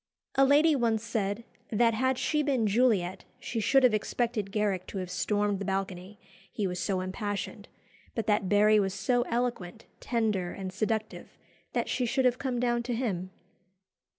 A lady once said, "that had she been Juliet she should have expected Garrick to have stormed the balcony, he was so impassioned; but that Barry was so eloquent, tender, and seductive, that she should have come down to him."